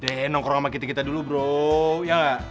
udah deh nongkrong sama kita kita dulu bro iya gak